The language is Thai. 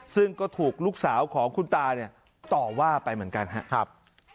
ซึ่งก็ถูกลูกสาวของคุณตาเนี่ยต่อว่าไปเหมือนกันครับ